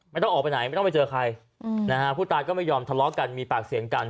ไม่ต้องออกไปไหนไม่ต้องไปเจอใครนะฮะผู้ตายก็ไม่ยอมทะเลาะกันมีปากเสียงกัน